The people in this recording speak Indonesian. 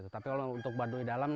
tapi untuk baduy dalam